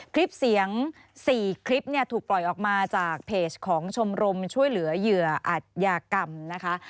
คลิปเสียง๔คลิปเนี่ยถูกปล่อยออกมาจากเพจของชมรมช่วยเหลือเหยื่ออัตยากรรมนะคะ